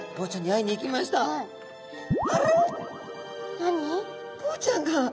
何？